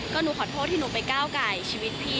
ก็หนูขอโทษที่หนูไปก้าวไก่ชีวิตพี่